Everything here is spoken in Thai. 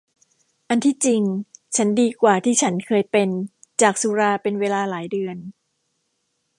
อันที่จริงฉันดีกว่าที่ฉันเคยเป็นจากสุราเป็นเวลาหลายเดือน